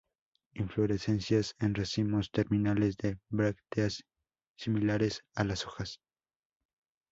Inflorescencias en racimos terminales de brácteas similares a las hojas.